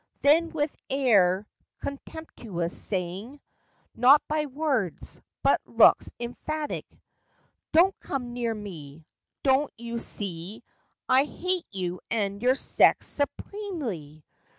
Then, with air contemptuous, saying, Not by words, but looks emphatic: "Do n't come near me ! Do n't you see I Hate you and your sex supremely!